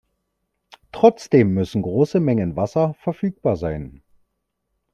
Trotzdem müssen große Mengen Wasser verfügbar sein.